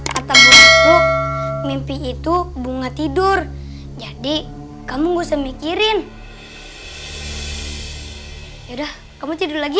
kata buah itu mimpi itu bunga tidur jadi kamu gak usah mikirin ya udah kamu tidur lagi ya